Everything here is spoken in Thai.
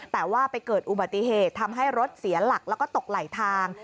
แต่ว่าไปเกิดอุบัติเหตุทำให้รถเสียหลักแล้วก็ตกไหลทาง